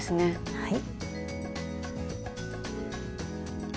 はい。